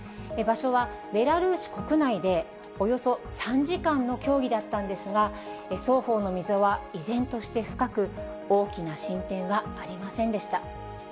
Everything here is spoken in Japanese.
場所は、ベラルーシ国内でおよそ３時間の協議だったんですが、双方の溝は依然として深く、大きな進展はありませんでした。